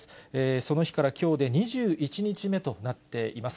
その日からきょうで２１日目となっています。